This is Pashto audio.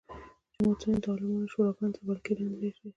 جوماتونه د عالمانو شوراګانو تر ولکې لاندې راشي.